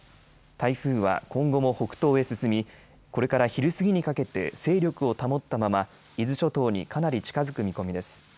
台風は今後も北東へ進み、これから昼過ぎにかけて、勢力を保ったまま、伊豆諸島にかなり近づく見込みです。